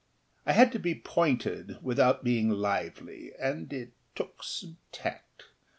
I had to be pointed without being lively, and it took some tact.